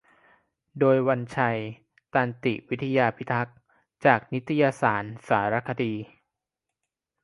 โดย วันชัย ตันติวิทยาพิทักษ์ จากนิตยสาร สารคดี